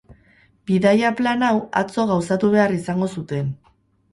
Bidaia plan hau atzo gauzatu behar izango zuten.